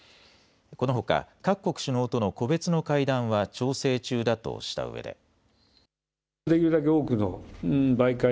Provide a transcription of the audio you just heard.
このほか各国首脳との個別の会談は調整中だとしたうえで。